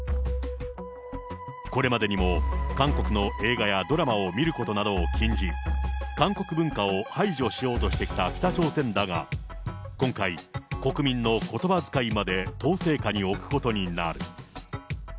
これまでにも韓国の映画やドラマを見ることなどを禁じ、韓国文化を排除しようとしてきた北朝鮮だが、今回、国民のことばづかいまで統制下に置くことになる。